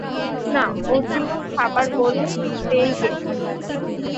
না, ওর জন্যে খাবার বলে দিই গে।